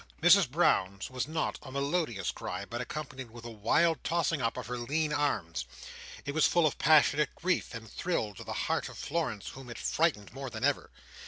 Mrs Brown's was not a melodious cry, but, accompanied with a wild tossing up of her lean arms, it was full of passionate grief, and thrilled to the heart of Florence, whom it frightened more than ever.